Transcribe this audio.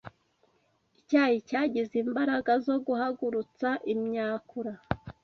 Icyayi cyagize imbaraga zo guhagurutsa imyakura